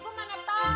gue mana tau